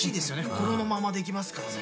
袋のままできますからね。